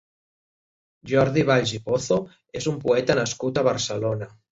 Jordi Valls i Pozo és un poeta nascut a Barcelona.